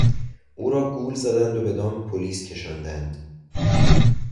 او را گول زدند و به دام پلیس کشاندند.